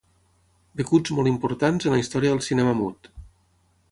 Becuts molt importants en la història del cinema mut.